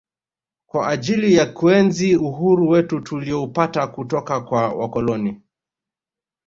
kwa ajili ya kuenzi uhuru wetu tulioupata kutoka kwa wakoloni